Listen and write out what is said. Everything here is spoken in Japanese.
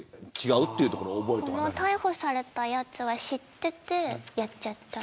逮捕されたやつは知っていてやっちゃったの。